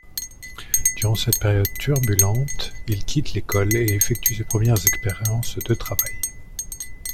Durant cette période turbulente, il quitte l’école et effectue ses premières expériences de travail.